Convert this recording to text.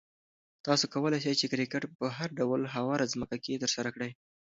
تاسو کولای شئ چې کرکټ په هر ډول هواره ځمکه کې ترسره کړئ.